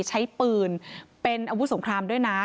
ใช้ปืนเป็นอาวุธสงครามด้วยนะ